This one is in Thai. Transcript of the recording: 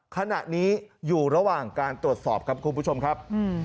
ขณะนี้อยู่ระหว่างการตรวจสอบครับคุณผู้ชมครับ